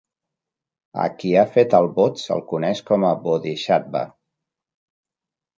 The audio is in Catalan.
A qui ha fet el vot se'l coneix com a Bodhisattva.